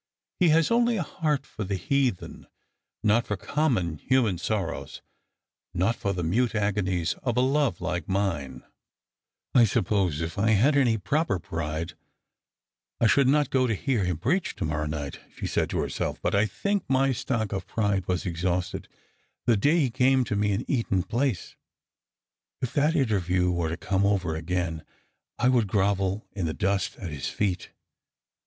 He has only a heart for the heathen ; not for common human sorrows, not for the io"t« Rgonies of a love like mine." ^ Strangers and Pilgrima. 229 " 1 sappose if I had any proper pride, I sbcnld not go to hear him preach to morrow night," she said to herself; " but I think my stock of pride was exliausted the day he came to me in Eaton place. If that interview were to come over again I would grovel in the dust at his feet.